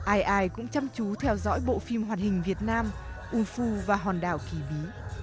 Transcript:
ai ai cũng chăm chú theo dõi bộ phim hoạt hình việt nam ufu và hòn đảo kỳ bí